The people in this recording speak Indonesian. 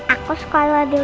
aku sekolah di rumah dulu om